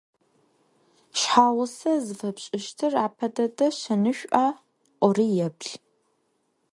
Шъхьагъусэ зыфэпшӏыщтыр апэ дэдэ шэнышӏуа ӏори еплъ.